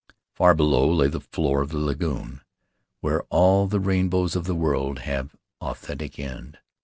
Far below lay the floor of the lagoon where all the rainbows of the world have authentic end.